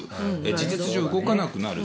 事実上動かなくなる。